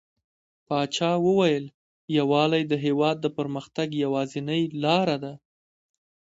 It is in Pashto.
پاچا وويل: يووالى د هيواد د پرمختګ يوازينۍ لاره ده .